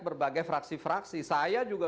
berbagai fraksi fraksi saya juga